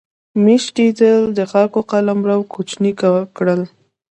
میشتېدل د خلکو قلمرو کوچني کړل.